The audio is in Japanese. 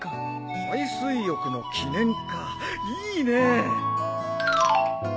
海水浴の記念かいいねえ。